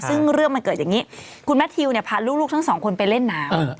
ซึ่งเรื่องมันเกิดอย่างนี้คุณแมททิวเนี่ยพาลูกทั้งสองคนไปเล่นน้ำ